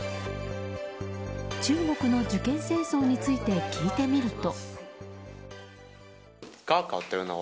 中国の受験戦争について聞いてみると。